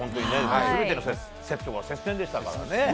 初めてのセットが接戦でしたから。